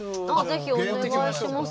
ぜひお願いします。